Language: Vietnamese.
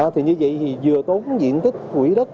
thì như vậy thì vừa tốn diện thức quỹ đất